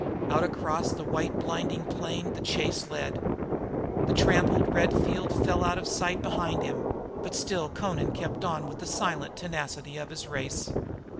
Out across the white blinding plain she led him. The trampled red field fell out of sight behind him, but still Amra kept on with the silent tenacity of his race.